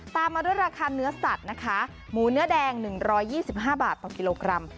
ตามมาด้วยราคาเนื้อสัตว์นะคะหมูเนื้อแดง๑๒๕บาทต่อกิโลกรัม